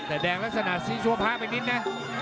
แต่แดงลักษณะสีชัวพะไปนิดนะ